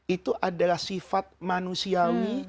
itu adalah sifat manusiawi